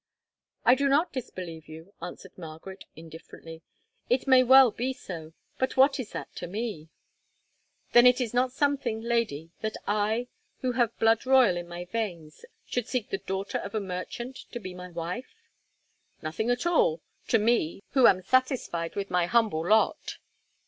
"I do not disbelieve," answered Margaret indifferently, "it may well be so; but what is that to me?" "Then is it not something, Lady, that I, who have blood royal in my veins, should seek the daughter of a merchant to be my wife?" "Nothing at all—to me, who am satisfied with my humble lot."